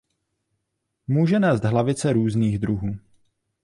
Může nést hlavice různých druhů.